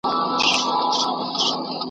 ذوالقافیتین .